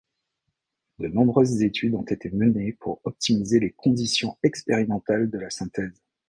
De nombreuses études ont été menées pour optimiser les conditions expérimentales de la synthèse.